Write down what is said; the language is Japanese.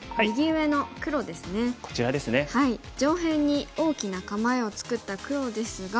上辺に大きな構えを作った黒ですが。